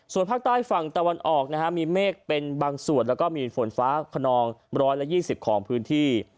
ส่วนภาคใต้ฝั่งตะวันออกนะฮะมีเมฆเป็นบางส่วนแล้วก็มีฝนฟ้าขนอง๑๒๐ของพื้นที่